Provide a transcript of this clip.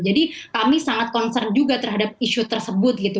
jadi kami sangat concern juga terhadap isu tersebut gitu